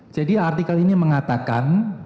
jadi artikel ini mengatakan